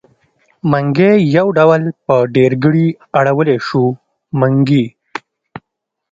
منګی يو ډول په ډېرګړي اړولی شو؛ منګي.